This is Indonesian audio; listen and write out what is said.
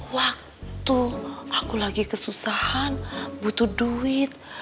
waktu aku lagi kesusahan butuh duit